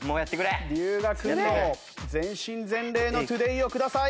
龍我君の全身全霊のトゥデイをください！